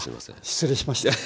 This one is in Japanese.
失礼しました。